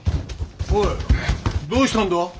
おいどうしたんだ？